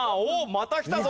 またきたぞ。